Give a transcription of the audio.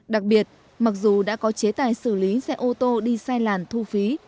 đặc biệt mặc dù đã có chế tài xử lý xe ô tô đi sai làn thu phí